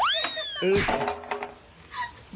อีกนิดหนึ่ง